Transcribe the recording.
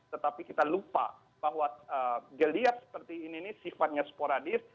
tetapi kita lupa bahwa geliat seperti ini sifatnya sporadis